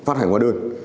để phát hành hóa đơn